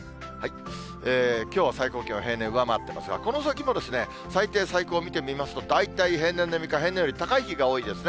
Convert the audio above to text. きょうは最高気温、平年を上回ってますが、この先も最低、最高見てみますと、大体平年並みか、平年より高い日が多いですね。